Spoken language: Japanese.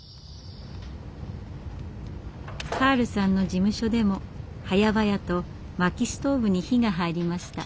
カールさんの事務所でもはやばやと薪ストーブに火が入りました。